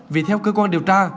vì theo cơ quan điều tra